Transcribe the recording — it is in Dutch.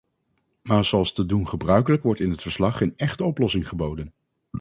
Maar zoals te doen gebruikelijk wordt in het verslag geen echte oplossing geboden.